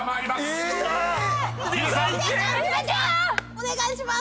お願いします